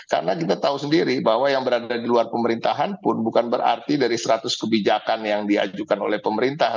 karena kita tahu sendiri bahwa yang berada di luar pemerintahan pun bukan berarti dari seratus kebijakan yang diajukan oleh pemerintah